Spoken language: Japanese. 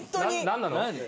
何なの？